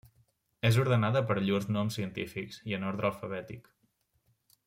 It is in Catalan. És ordenada per llurs noms científics i en ordre alfabètic.